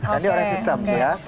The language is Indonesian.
karena dia orang sistem ya